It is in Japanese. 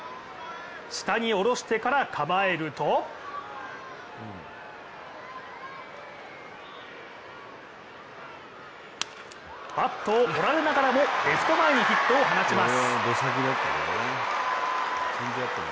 下に下ろしてから構えるとバットを折られながらもレフト前にヒットを放ちます。